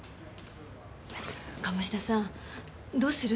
鴨志田さんどうする？